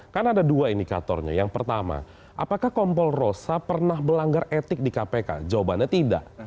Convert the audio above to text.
kan ada dua indikatornya yang pertama apakah kompol rosa pernah melanggar etik di kpk jawabannya tidak